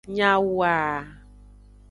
Nyawoa.